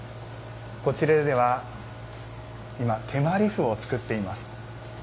こちらでは手まり麩を作っています。